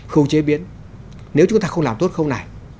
khâu chế biến nếu chúng ta không làm tốt khâu này